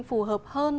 phù hợp hơn